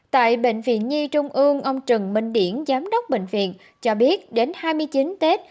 tại bệnh viện nhi trung ương ông trần minh điển giám đốc bệnh viện cho biết đến hai mươi chín tết